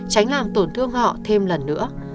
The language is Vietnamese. tránh làm tổn thương họ thêm lần nữa